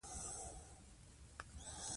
موږ باید د الله په نوم خپل کارونه پیل کړو.